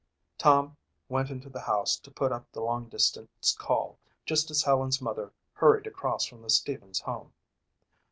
Tom went into the house to put in the long distance call just as Helen's mother hurried across from the Stevens home.